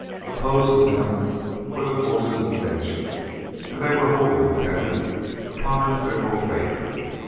Opposed to them were the forces of Nature, and they were wholly dependent upon her fickle favor.